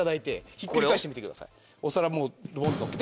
ひっくり返してみてください。